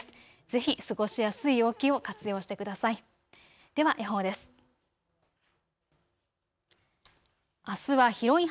ぜひ過ごしやすい陽気を活用してください。